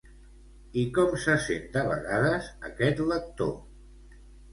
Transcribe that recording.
I com se sent de vegades aquest lector?